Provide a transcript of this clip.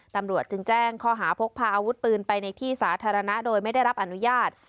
ตำรวจจึงแจ้งข้อหาพกพาอาวุธปืนไปในที่สาธารณะโดยไม่ได้รับอนุญาต